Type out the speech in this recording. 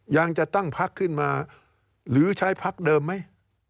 ยังจะตั้งพักขึ้นมาหรือใช้พักเดิมไหม